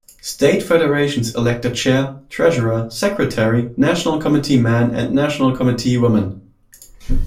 State Federations elect a Chair, Treasurer, Secretary, National Committee Man and National Committee Woman.